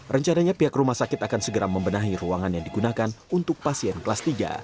rencananya pihak rumah sakit akan segera membenahi ruangan yang digunakan untuk pasien kelas tiga